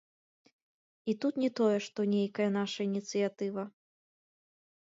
І тут не тое, што нейкая наша ініцыятыва.